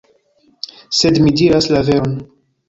Sed mi diras la veron!